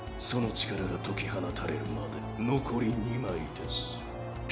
その力が解き放たれるまで残り２枚です。